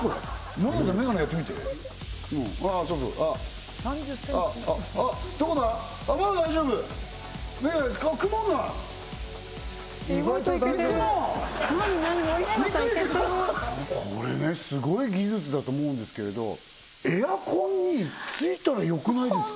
森永さんいけてるこれねスゴい技術だと思うんですけれどエアコンに付いたらよくないですか？